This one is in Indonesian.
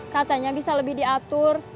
katanya bisa lebih diatur